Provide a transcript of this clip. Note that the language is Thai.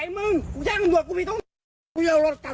อย่าเป็นข่าวเลื่อนล่ะครับ